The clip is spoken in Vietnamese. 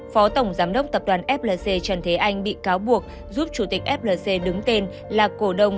phó tổng giám đốc tập đoàn flc trần thế anh bị cáo buộc giúp chủ tịch flc đứng tên là cổ đông